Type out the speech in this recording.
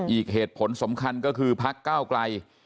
อีกเหตุผลสำคัญก็คือพักก้าวไกล